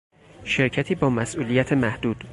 شرکتی با مسئولیت محدود